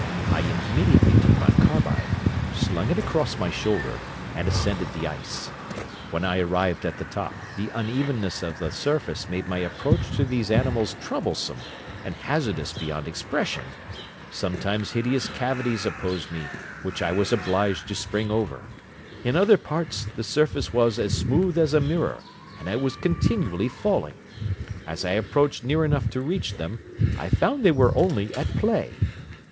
I immediately took my carbine, slung it across my shoulder, and ascended the ice. When I arrived at the top, the unevenness of the surface made my approach to those animals troublesome and hazardous beyond expression: sometimes hideous cavities opposed me, which I was obliged to spring over; in other parts the surface was as smooth as a mirror, and I was continually falling: as I approached near enough to reach them, I found they were only at play.